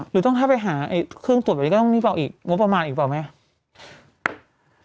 หรือต้องให้ไปหาเครื่องตรวจก็ต้องมีเปล่าอีกงบประมาณอีกเปล่าไหม